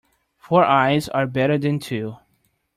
Four eyes are better than two.